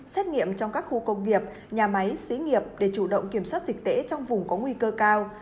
xét nghiệm trong các khu công nghiệp nhà máy xí nghiệp để chủ động kiểm soát dịch tễ trong vùng có nguy cơ cao